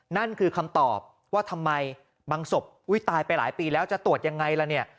นั่นคือคำตอบว่าทำไมบางศพอุ้ยตายไปหลายปีแล้วจะตรวจยังไงล่ะเนี่ย